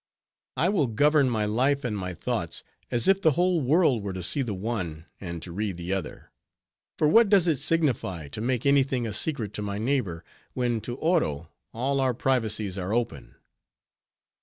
I will govern my life and my thoughts, as if the whole world were to see the one, and to read the other; for what does it signify, to make any thing a secret to my neighbor, when to Oro all our privacies are open.